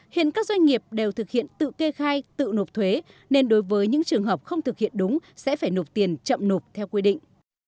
hiện các doanh nghiệp đều thực hiện tự kê khai tự nộp thuế nên đối với những trường hợp không thực hiện đúng sẽ phải nộp tiền chậm nộp theo quy định